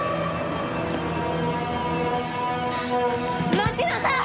待ちなさい！